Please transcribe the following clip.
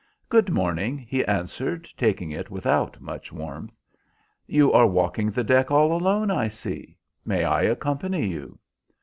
"Good morning," he answered, taking it without much warmth. "You are walking the deck all alone, I see. May I accompany you?"